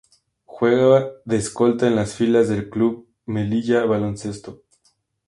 Juega de escolta en las filas del Club Melilla Baloncesto.